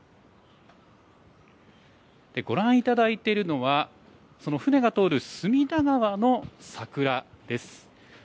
ご覧いただいているのは、その船が通る隅田川の桜です。